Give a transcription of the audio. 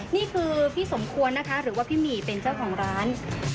นี่คือพี่สมควรนะคะหรือว่าพี่หมี่เป็นเจ้าของร้าน